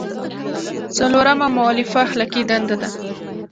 څلورمه مولفه اخلاقي دنده ده.